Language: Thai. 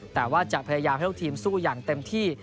แต่ว่าจะพยายามให้ทุกทีมสู้อย่างเต็มที่